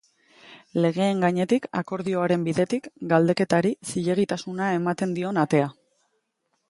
Legeen gainetik, akordioaren bidetik, galdeketari zilegitasuna ematen dion atea.